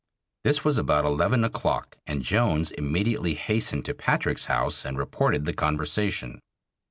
This was about eleven o'clock, and Jones immediately hastened to Patrick's house and reported the conversation.